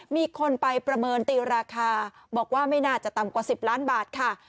มีคนไปประเมินตีราคาบอกว่าไม่น่าจะต่ำกว่า๑๐ล้านบาทค่ะ